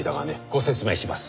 ご説明します。